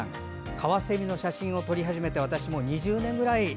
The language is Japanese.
かわせみの写真を撮り始めて２０年ぐらい。